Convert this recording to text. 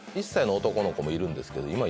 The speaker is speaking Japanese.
１歳の男の子もいるんですけど